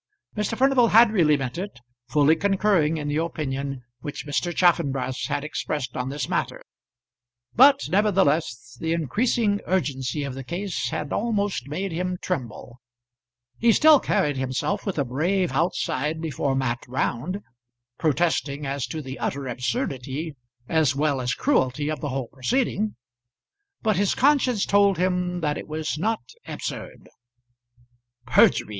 Mr. Furnival had really meant it, fully concurring in the opinion which Mr. Chaffanbrass had expressed on this matter; but nevertheless the increasing urgency of the case had almost made him tremble. He still carried himself with a brave outside before Mat Round, protesting as to the utter absurdity as well as cruelty of the whole proceeding; but his conscience told him that it was not absurd. "Perjury!"